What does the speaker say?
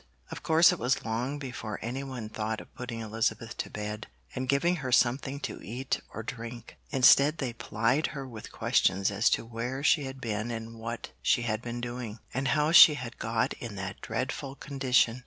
Of course it was long before anyone thought of putting Elizabeth to bed, and giving her something to eat or drink; instead they plied her with questions as to where she had been and what she had been doing, and how she had got in that dreadful condition.